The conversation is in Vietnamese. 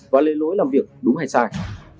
và lệ lỗi làm việc đúng hay sai